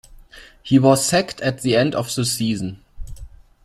He was sacked at the end of the season.